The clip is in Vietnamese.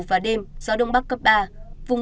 và đêm gió đông bắc cấp ba vùng